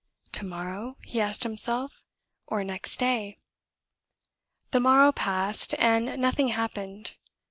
"To morrow?" he asked himself. "Or next day?" The morrow passed, and nothing happened.